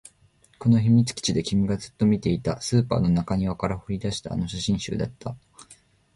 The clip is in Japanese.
この秘密基地で君がずっと見ていた、スーパーの中庭から掘り出したあの写真集だった